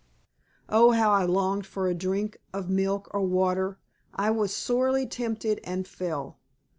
Oh, how I longed for a drink of milk or water! I was sorely tempted and fell.